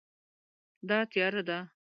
دا تیاره ده